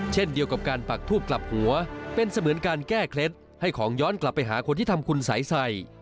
เช่นเดียวกับการปักทูบกลับหัวเป็นเสมือนการแก้เคล็ดให้ของย้อนกลับไปหาคนที่ทำคุณสายใส่